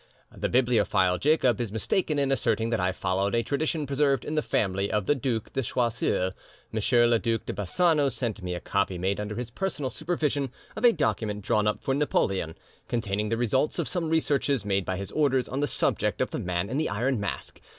The bibliophile Jacob is mistaken in asserting that I followed a tradition preserved in the family of the Duc de Choiseul; M. le Duc de Bassano sent me a copy made under his personal supervision of a document drawn up for Napoleon, containing the results of some researches made by his orders on the subject of the Man in the Iron Mask.